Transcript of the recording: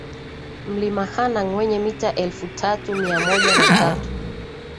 Mlima Hanang wenye mita elfu tatu mia moja na tatu